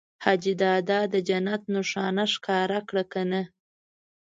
حاجي دادا د جنت نښانه ښکاره کړه که نه؟